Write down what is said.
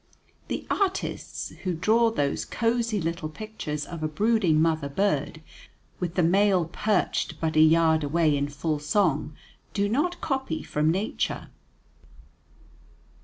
The artists who draw those cozy little pictures of a brooding mother bird, with the male perched but a yard away in full song, do not copy from nature.